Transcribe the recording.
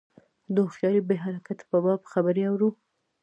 د هوښیاري بې حرکتۍ په باب خبرې اورو.